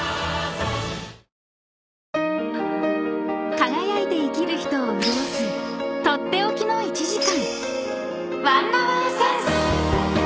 ［輝いて生きる人を潤す取って置きの１時間］